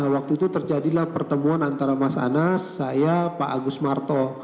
waktu itu terjadilah pertemuan antara mas anas saya pak agus marto